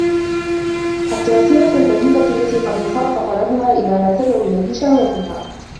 حَتَّى يَصِيرَ كَالْبَهِيمَةِ الَّتِي قَدْ انْصَرَفَ طَلَبُهَا إلَى مَا تَدْعُو إلَيْهِ شَهْوَتُهَا